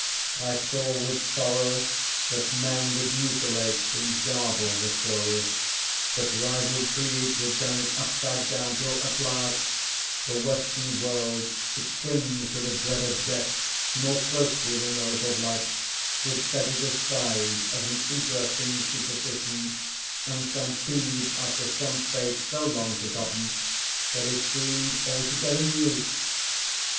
I saw with sorrow that men would mutilate and garble the story; that rival creeds would turn it upside down till, at last, the western world which clings to the dread of death more closely than the hope of life, would set it aside as an interesting superstition and stampede after some faith so long forgotten that it seemed altogether new.